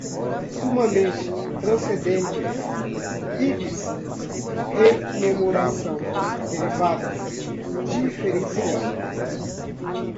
Sumamente, transcendentes, íbis, rememoração, derivadas, diferencial